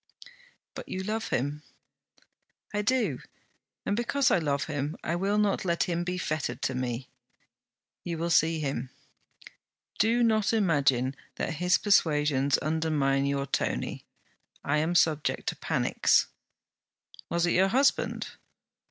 'But you love him.' 'I do: and because I love him I will not let him be fettered to me.' 'You will see him.' 'Do not imagine that his persuasions undermined your Tony. I am subject to panics.' 'Was it your husband?'